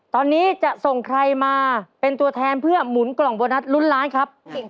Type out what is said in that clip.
ตอนนี้จะส่งใครมาเป็นตัวแทนเพื่อหมุนกล่องโบนัสลุ้นล้านครับ